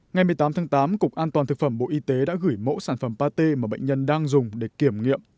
ngày một mươi tám tháng tám cục an toàn thực phẩm bộ y tế đã gửi mẫu sản phẩm pate mà bệnh nhân đang dùng để kiểm nghiệm